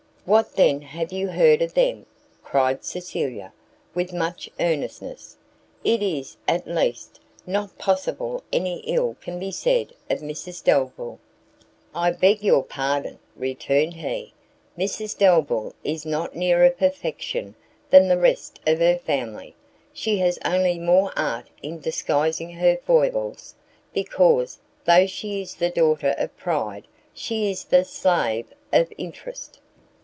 "What then have you heard of them?" cried Cecilia, with much earnestness: "It is, at least, not possible any ill can be said of Mrs Delvile." "I beg your pardon," returned he. "Mrs Delvile is not nearer perfection than the rest of her family, she has only more art in disguising her foibles; because, tho' she is the daughter of pride, she is the slave of interest."